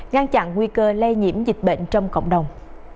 ngăn chặn nguy cơ lây nhiễm dịch bệnh trong cộng đồng